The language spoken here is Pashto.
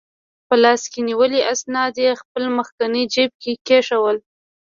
په لاس کې نیولي اسناد یې خپل مخکني جیب کې کېښوول.